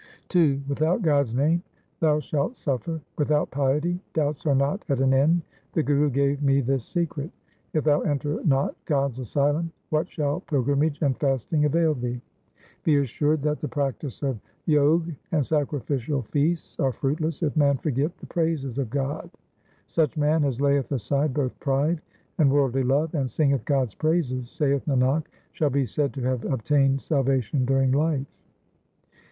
II Without God's name thou shalt suffer ; Without piety doubts are not at an end ; the Guru gave me this secret. If thou enter not God's asylum, what shall pilgrimage and fasting avail thee ? HYMNS OF GURU TEG BAHADUR 407 Be assured that the practice of Jog and sacrificial feasts are fruitless if man forget the praises of God. Such man as layeth aside both pride and worldly love, and singeth God's praises, Saith Nanak, shall be said to have obtained salvation during life.